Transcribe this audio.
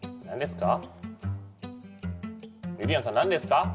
何ですか？